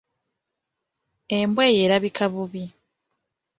Embwa eyo erabika obubbi.